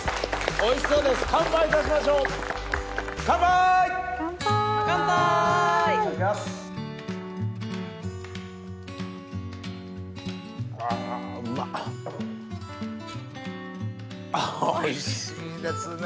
おいしいですね。